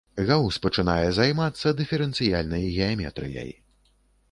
Гаус пачынае займацца дыферэнцыяльнай геаметрыяй.